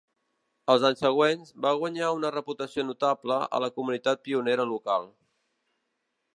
Els anys següents, va guanyar una reputació notable a la comunitat pionera local.